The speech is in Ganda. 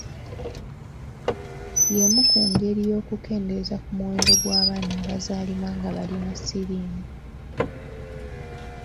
Y’emu ku ngeri y’okukendeeza ku muwendo gw’abaana abazaalibwa nga balina siriimu.